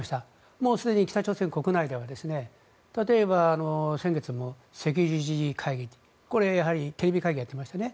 もうすでに北朝鮮国内では例えば、先月も赤十字会議これ、やはりテレビ会議でやっていましたね。